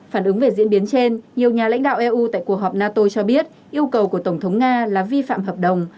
phản ứng về diễn biến trên nhiều nhà lãnh đạo eu tại cuộc họp nato cho biết yêu cầu của tổng thống nga là vi phạm hợp đồng